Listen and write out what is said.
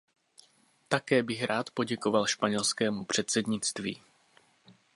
Také bych rád poděkoval španělskému předsednictví.